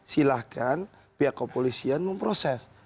silahkan pihak koopersian memproses